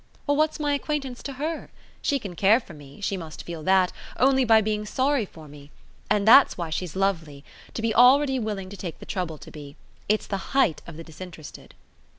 "Well, what's my acquaintance to HER? She can care for me she must feel that only by being sorry for me; and that's why she's lovely: to be already willing to take the trouble to be. It's the height of the disinterested."